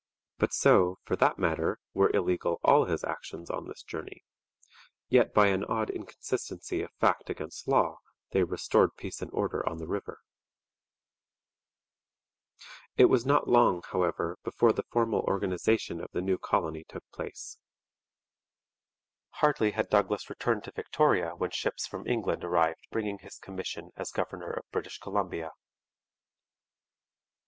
But so, for that matter, were illegal all his actions on this journey; yet by an odd inconsistency of fact against law, they restored peace and order on the river. [Illustration: A group of Thompson River Indians. From a photograph by Maynard.] It was not long, however, before the formal organization of the new colony took place. Hardly had Douglas returned to Victoria when ships from England arrived bringing his commission as governor of British Columbia.